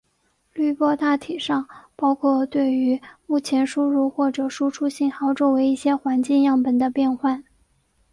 滤波大体上包括对于目前输入或者输出信号周围一些环境样本的变换。